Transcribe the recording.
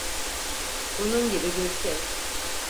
Bunun gibi bir şey.